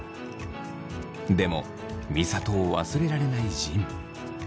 でも美里を忘れられない仁。